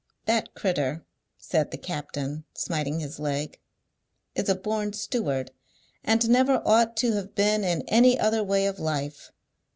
"That critter," said the captain, smiting his leg, "is a born steward, and never ought to have been in any other way of life.